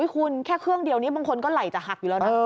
คุณแค่เครื่องเดียวนี้บางคนก็ไหล่จะหักอยู่แล้วนะ